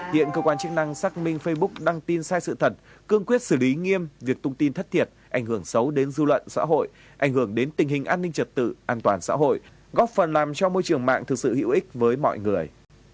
hiện cơ quan chức năng xác minh facebook đăng tin sai sự thật cương quyết xử lý nghiêm việc tung tin thất thiệt ảnh hưởng xấu đến dư luận xã hội ảnh hưởng đến tình hình an ninh trật tự an toàn xã hội góp phần làm cho môi trường mạng thực sự hữu ích với mọi người